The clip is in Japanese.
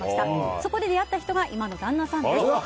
そこで出会った人が今の旦那さんです。